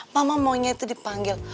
mama maunya itu dipanggil